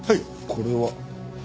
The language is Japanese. これは？